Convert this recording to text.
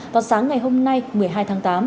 vào sáng ngày hôm nay một mươi hai tháng tám